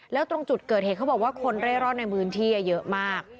แล้วตรงจุดเกิดเหตุเขาบอกว่าคนเร่ร่อนในพื้นที่เยอะมาก